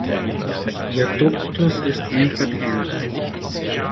Ihr Duktus ist unverkennbar.